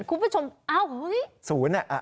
คุณผู้ชมเอ้าเฮ้ย